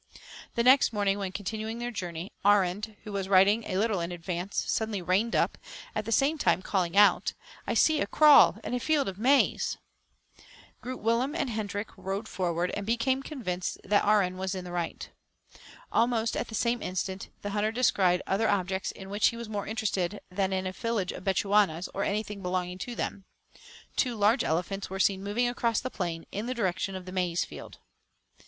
The next morning, when continuing their journey, Arend, who was riding a little in advance, suddenly reined up, at the same time, calling out "I see a kraal and a field of maize." Groot Willem and Hendrik rode forward, and became convinced that Arend was in the right. Almost at the same instant, the hunter descried other objects in which he was more interested than in a village of Bechuanas, or anything belonging to them. Two large elephants were seen moving across the plain, in the direction of the maize field.